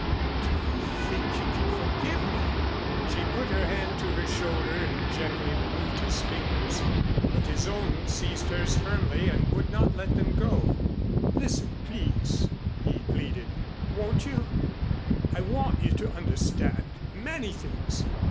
Do you think you can forgive me?" She put her hand to her shoulder and gently removed his fingers. But his own seized hers firmly and would not let them go. "Listen, please," he pleaded, "won't you? I want you to understand many things.